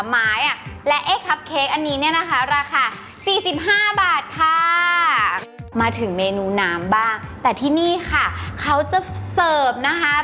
มาถึงเมนูน้ำบ้างแต่ที่นี่ค่ะเขาจะเสิร์ฟนะคะ